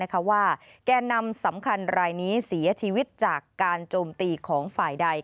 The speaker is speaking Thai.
ว่าแก่นำสำคัญรายนี้เสียชีวิตจากการโจมตีของฝ่ายใด